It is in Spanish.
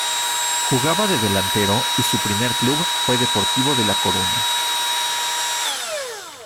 Jugaba de delantero y su primer club fue Deportivo de La Coruña.